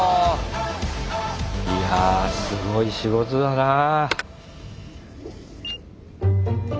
いやあすごい仕事だなあ。